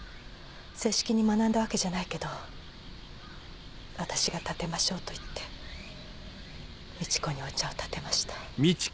正式に学んだわけじゃないけど「私が点てましょう」と言って美智子にお茶を点てました。